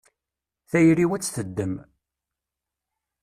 Tayri-w ad tt-teddem.